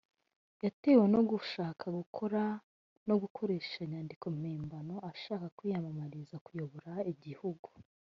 yatewe no gushaka gukora no gukoresha inyandiko mpimbano ashaka kwiyamamariza kuyobora igihugu